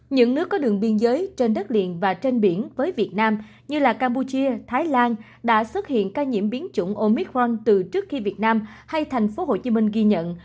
những nước có đường biên giới trên đất liền và trên biển với việt nam như campuchia thái lan đã xuất hiện ca nhiễm biến chủng omicron từ trước khi việt nam hay tp hcm ghi nhận